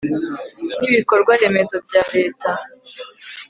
n ibikorwa remezo bya Leta